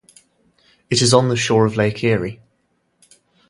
It is on the shore of Lake Erie.